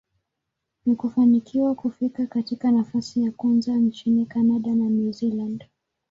na kufanikiwa kufika katika nafasi ya kwanza nchini Canada na New Zealand.